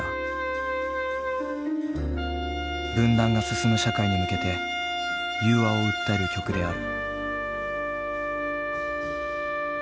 分断が進む社会に向けて融和を訴える曲である。